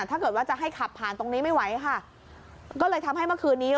ถ้าเกิดว่าจะให้ขับผ่านตรงนี้ไม่ไหวค่ะก็เลยทำให้เมื่อคืนนี้